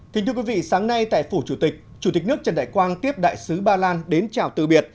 thưa quý vị sáng nay tại phủ chủ tịch chủ tịch nước trần đại quang tiếp đại sứ ba lan đến chào tự biệt